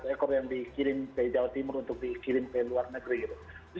lima puluh satu ekor yang dikirim ke jawa timur untuk dikirim ke luar negeri